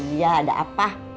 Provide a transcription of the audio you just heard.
iya ada apa